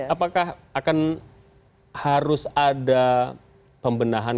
apakah akan harus ada pembenahan